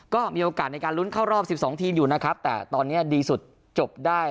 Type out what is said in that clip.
ก็มีโอกาสในการลุ้นเข้ารอบ๑๒ทีมอยู่นะครับแต่ตอนนี้ดีสุดจบได้